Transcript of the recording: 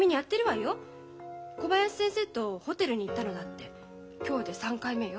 小林先生とホテルに行ったのだって今日で３回目よ。